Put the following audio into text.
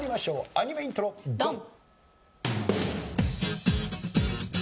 アニメイントロドン！